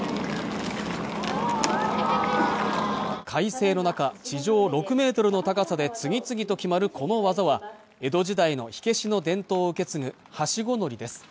快晴の中地上６メートルの高さで次々と決まるこの技は江戸時代の火消しの伝統を受け継ぐはしご乗りです